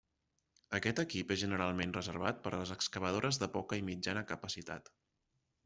Aquest equip és generalment reservat a les excavadores de poca i mitjana capacitat.